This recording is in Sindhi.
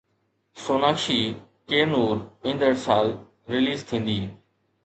سوناڪشي ڪي نور ايندڙ سال رليز ٿيندي